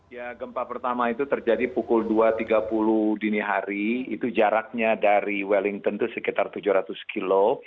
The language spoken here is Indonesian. ya gempa pertama itu terjadi pukul dua tiga puluh dini hari itu jaraknya dari wellington itu sekitar tujuh ratus kilo